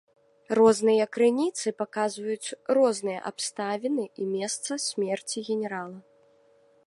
Розныя крыніцы паказваюць розныя абставіны і месца смерці генерала.